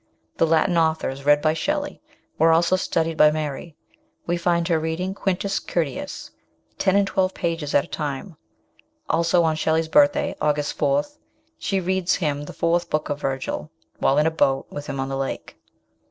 The Latin authors read by Shelley were also studied by Mary. We find her reading " Quintus Curtius," ten and twelve pages at a time; also on Shelley's birthday, August 4, she reads him the fourth book of Virgil, while in a boat with him on the lake.